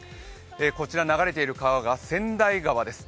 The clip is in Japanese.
こちら、流れている川が千代川です。